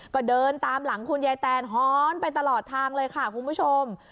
ก็เดินตามหลังคุณยายแตนฮ้อนไปตลอดทางเลยค่ะคุณผู้ชม